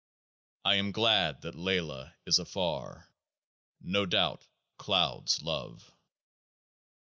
I am glad that LAYLAH is afar ; no doubt clouds love.